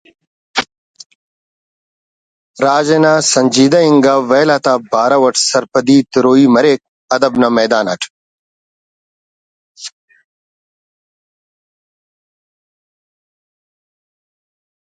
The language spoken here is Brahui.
راج انا سنجیدہ انگا ویل آتا بارو اٹ سرپدی تروئی مریک ادب نا میدان اٹ